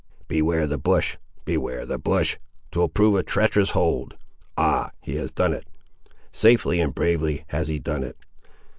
Beware the bush—beware the bush! 'twill prove a treacherous hold! Ah! he has done it; safely and bravely has he done it!